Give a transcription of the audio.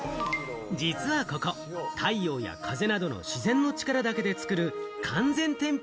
実はここ、太陽や風などの自然の力だけで作る完全天日